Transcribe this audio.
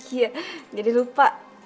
iya jadi lupa